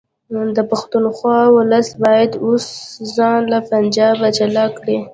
د پښتونخوا ولس باید اوس ځان له پنجابه جلا کړي